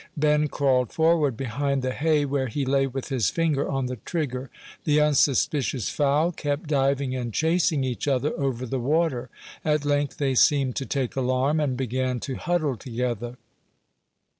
Ben crawled forward behind the hay, where he lay with his finger on the trigger. The unsuspicious fowl kept diving and chasing each other over the water: at length they seemed to take alarm, and began to huddle together.